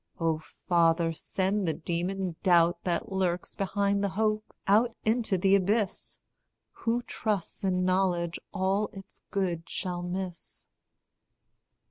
O Father, send the demon doubt that lurks Behind the hope, out into the abyss; Who trusts in knowledge all its good shall miss.